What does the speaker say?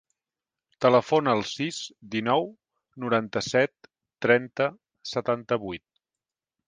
Telefona al sis, dinou, noranta-set, trenta, setanta-vuit.